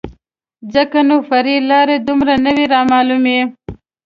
ځکه نو فرعي لارې دومره نه وې رامعلومې.